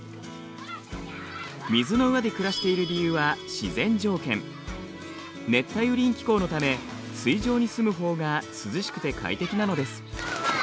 水の上で暮らしている理由は熱帯雨林気候のため水上に住むほうが涼しくて快適なのです。